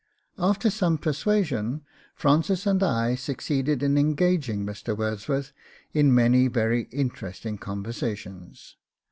'After some persuasion Francis and I succeed in engaging Mr. Wordsworth in many very interesting conversations.